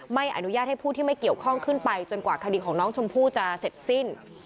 ไม่อนุญาตให้ผู้ที่ไม่เกี่ยวข้องขึ้นไปจนกว่าคดีของน้องชมพู่จะเสร็จสิ้น